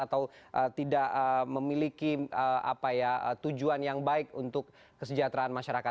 atau tidak memiliki tujuan yang baik untuk kesejahteraan masyarakat